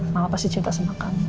mama pasti cerita sama kamu